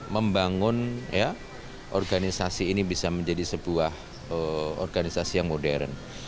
membangun organisasi ini bisa menjadi sebuah organisasi yang modern